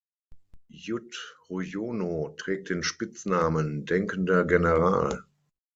Yudhoyono trägt den Spitznamen „denkender General“.